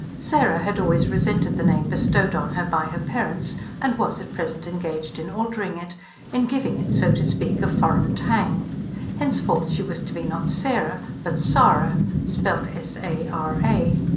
Sarah had always resented the name bestowed on her by her parents, and was at present engaged in altering it, in giving it, so to speak, a foreign tang: henceforth she was to be not Sarah, but Sara (spoken Sahra).